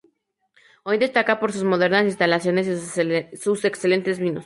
Hoy destaca por sus modernas instalaciones y sus excelentes vinos.